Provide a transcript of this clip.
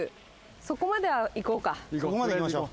そこまでは行こうか。